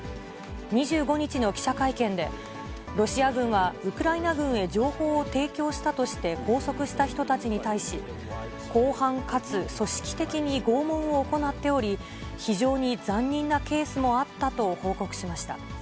２５日の記者会見で、ロシア軍はウクライナ軍へ情報を提供したとして拘束した人たちに対し、広範かつ組織的に拷問を行っており、非常に残忍なケースもあったと報告しました。